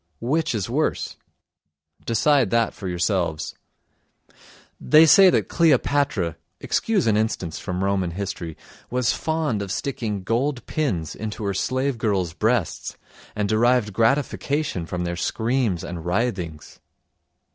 Which is worse? Decide that for yourselves. They say that Cleopatra (excuse an instance from Roman history) was fond of sticking gold pins into her slave girls' breasts and derived gratification from their screams and writhings.